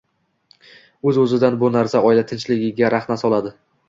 O‘z-o‘zidan bu narsa oila tinchligiga rahna soladi.